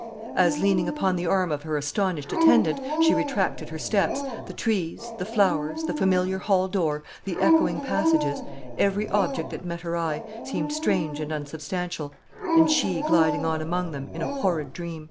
As, leaning upon the arm of her astonished attendant, she retracted her steps, the trees, the flowers, the familiar hall door, the echoing passages every object that met her eye seemed strange and unsubstantial, and she gliding on among them in a horrid dream.